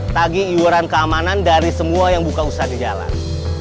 tagi iuran keamanan dari semua yang buka usaha di jalan